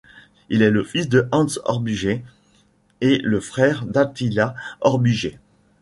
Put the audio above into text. Il est le fils de Hans Hörbiger et le frère d'Attila Hörbiger.